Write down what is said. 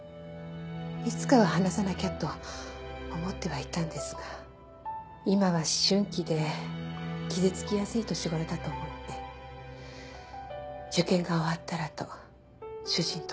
いつかは話さなきゃと思ってはいたんですが今は思春期で傷つきやすい年頃だと思って受験が終わったらと主人とも。